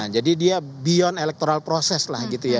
jadi dia beyond elektoral proses lah gitu ya